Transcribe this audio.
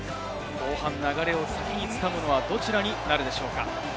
後半、流れを先につかむのは、どちらになるでしょうか。